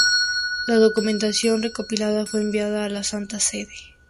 La documentación recopilada fue enviada a la Santa Sede.